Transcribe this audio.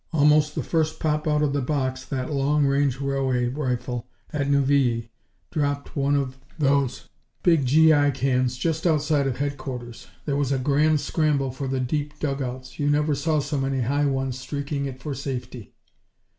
Almost the first pop out of the box that long range railway rifle at Neuvilly dropped one of those big G.I. cans just outside of headquarters. There was a grand scramble for the deep dugouts. You never saw so many High Ones streaking it for safety.